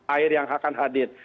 air yang akan hadir